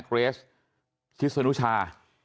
เกรสชิสนุชา